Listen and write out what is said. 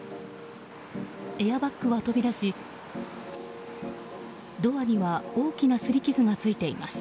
エアバッグは飛び出し、ドアには大きなすり傷がついています。